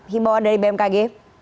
himbauan dari bmkg